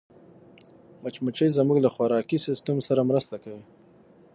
مچمچۍ زموږ له خوراکي سیسټم سره مرسته کوي